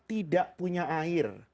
tidak punya air